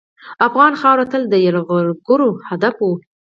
افغان خاوره تل د یرغلګرو هدف وه.